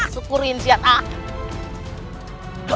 syukurin siap ah